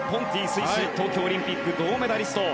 スイス、東京オリンピックの銅メダリスト。